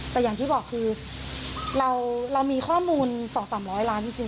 แต่อย่างที่บอกคือเรามีข้อมูลสองสามร้อยล้านจริง